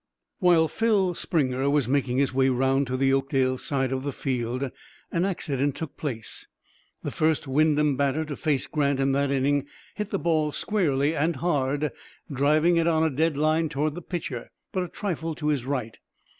While Phil Springer was making his way round to the Oakdale side of the field an accident took place. The first Wyndham batter to face Grant in that inning hit the ball squarely and hard, driving it on a dead line toward the pitcher, but a trifle to his right.